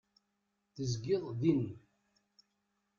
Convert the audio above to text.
Tezgiḍ din.